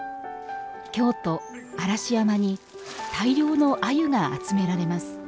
京都・嵐山に大量の鮎が集められます